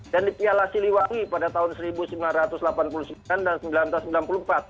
dan di piala siliwangi pada tahun seribu sembilan ratus delapan puluh sembilan dan seribu sembilan ratus sembilan puluh empat